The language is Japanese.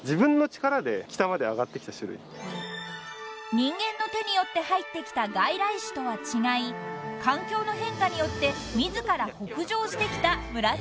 ［人間の手によって入ってきた外来種とは違い環境の変化によって自ら北上してきたムラサキツバメ］